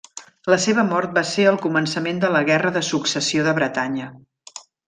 La seva mort va ser el començament de la Guerra de Successió de Bretanya.